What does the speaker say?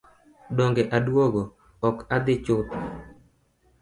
Donge aduogo ok adhi chuth.